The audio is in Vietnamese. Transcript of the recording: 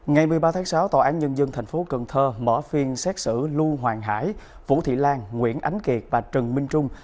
ngày một mươi ba tháng sáu tòa án nhân dân tp cần thơ mở phiên xét xử lưu hoàng hải vũ thị lan nguyễn ánh kiệt và trần minh trung